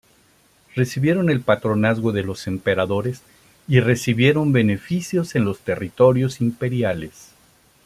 Recibieron el patronazgo de los emperadores y recibieron beneficios en los territorios imperiales.